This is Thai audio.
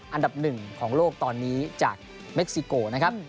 อันดับหนึ่งของโลกตอนนี้จากเม็กซิโกนะครับ